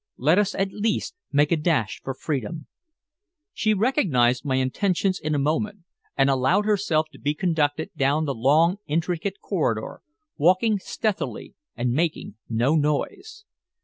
"Let us at least make a dash for freedom." She recognized my intentions in a moment, and allowed herself to be conducted down the long intricate corridor, walking stealthily, and making no noise.